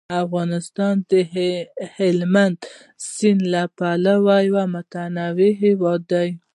افغانستان د هلمند سیند له پلوه یو متنوع هیواد دی.